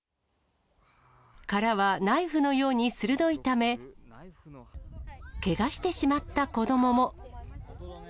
殻はナイフのように鋭いため、けがしてしまった子どもも。